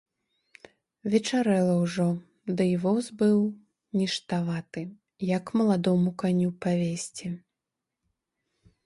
Вечарэла ўжо, ды й воз быў ніштаваты, як маладому каню павезці.